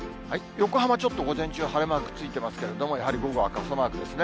横浜、ちょっと午前中、晴れマークついてますけれども、やはり午後は傘マークですね。